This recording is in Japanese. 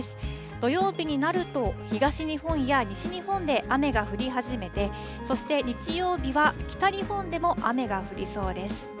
土曜日になると、東日本や西日本で雨が降り始めて、そして日曜日は北日本でも雨が降りそうです。